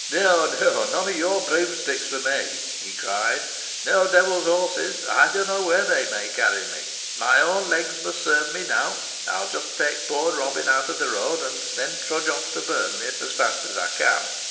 "No, no none of your broomsticks for me," he cried; "no devil's horses I don't know where they may carry me. My own legs must serve me now. I'll just take poor Robin out of the road, and then trudge off for Burnley as fast as I can."